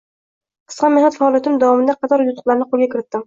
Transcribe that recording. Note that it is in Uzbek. Qisqa mehnat faoliyatim davomida qator yutuqlarni qoʻlga kiritdim.